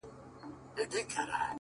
راسره جانانه ستا بلا واخلم ـ